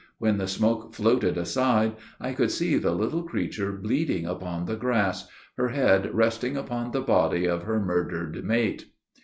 When the smoke floated aside, I could see the little creature bleeding upon the grass her head resting upon the body of her murdered mate.